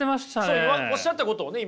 そうおっしゃったことをね